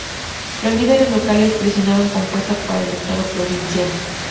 Los líderes locales presionaron con fuerza para el estado provincial.